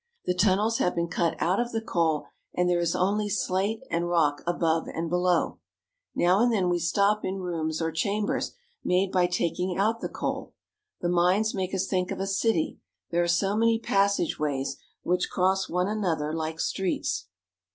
The tun nels have been cut out of the coal, and there is only slate and rock above and below. Now and then we stop in rooms or chambers made by taking out the coal. The mines make us think of a city, there are so many passage ways, which cross one another like streets.